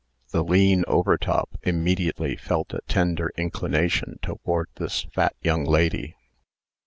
The lean Overtop immediately felt a tender inclination toward this fat young lady.